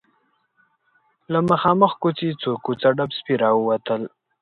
له مخامخ کوڅې څو کوڅه ډب سپي راووتل.